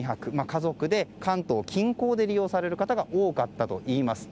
家族で関東近郊で利用される方が多かったといいます。